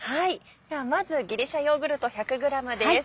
ではまずギリシャヨーグルト１００ｇです。